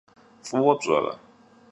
F'ıue pş'ere?